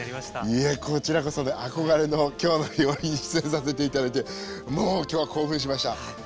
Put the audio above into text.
いやこちらこそね憧れの「きょうの料理」に出演させて頂いてもう今日は興奮しましたうん。